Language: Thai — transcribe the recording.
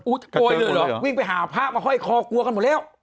อุ๊ยโปรดิเซอร์เลยเหรอวิ่งไปหาพระมาห้อยคอกลัวกันหมดแล้ว